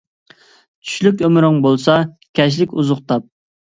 چۈشلۈك ئۆمرۈڭ بولسا، كەچلىك ئوزۇق تاپ.